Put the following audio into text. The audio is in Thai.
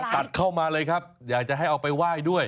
ตัดเข้ามาเลยครับอยากจะให้เอาไปไหว้ด้วย